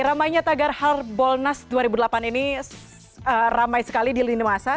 ramainya tagar harbolnas dua ribu delapan ini ramai sekali di lini masa